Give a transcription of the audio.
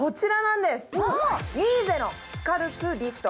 ミーゼのスカルプリフト。